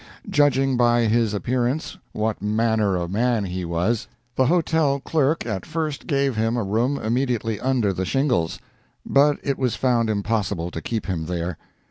Judging by his appearance what manner of man he was, the hotel clerk at first gave him a room immediately under the shingles—but it was found impossible to keep him there.